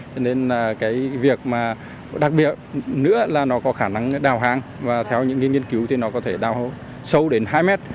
cho nên là cái việc mà đặc biệt nữa là nó có khả năng đào hàng và theo những cái nghiên cứu thì nó có thể đào sâu đến hai mét